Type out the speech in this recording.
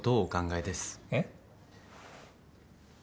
えっ？